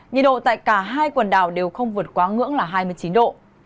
nhiệt độ tại cả hai quần đảo đều không vượt quá ngưỡng là hai mươi chín độ